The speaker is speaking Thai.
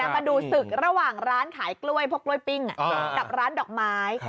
มาดูศึกระหว่างร้านขายกล้วยพวกกล้วยปิ้งกับร้านดอกไม้